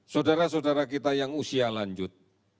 saudara saudara kita yang usia lanjut